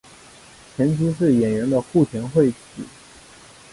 前妻是演员的户田惠子。